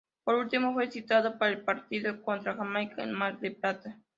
Por último, fue citado para el partido contra Jamaica, en Mar del Plata.